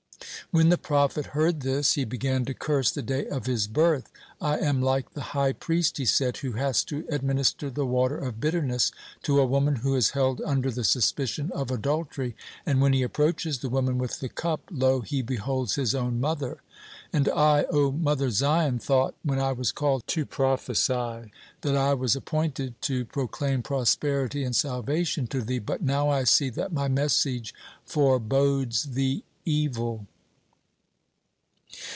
When the prophet heard this, he began to curse the day of his birth. "I am like the high priest," he said, "who has to administer the 'water of bitterness' to a woman who is held under the suspicion of adultery, and when he approaches the woman with the cup, lo, he beholds his own mother. And I, O Mother Zion, thought, when I was called to prophesy, that I was appointed to proclaim prosperity and salvation to thee, but now I see that my message forebodes thee evil."